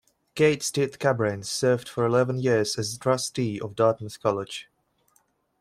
Kate Stith-Cabranes served for eleven years as a trustee of Dartmouth College.